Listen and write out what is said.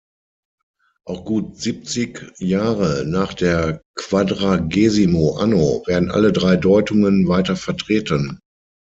Auch gut siebzig Jahre nach der "Quadragesimo anno" werden alle drei Deutungen weiter vertreten.